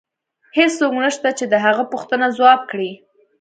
هیڅوک نشته چې د هغه پوښتنه ځواب کړي